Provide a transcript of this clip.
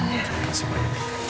terima kasih banyak